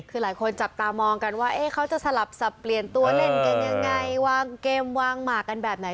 คือหลายคนจับตามองกันว่าเขาจะสลับสับเปลี่ยนตัวเล่นเกมยังไงวางเกมวางหมากกันแบบไหน